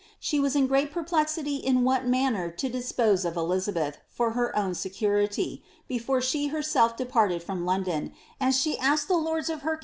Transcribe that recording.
She was in great pei^ plexity in what manner to dispose of Elizabeth for her own security, before she herself departed from Liondon, and she asked the lords of ' Renaud *f Letters to Cbarlei V.